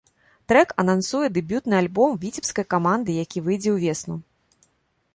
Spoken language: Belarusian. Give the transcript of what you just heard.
Трэк анансуе дэбютны альбом віцебскай каманды, які выйдзе ўвесну.